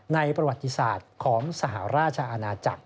ประวัติศาสตร์ของสหราชอาณาจักร